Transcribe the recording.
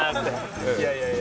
いやいやいや。